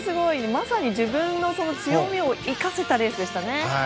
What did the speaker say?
まさに自分の強みを生かせたレースでしたね。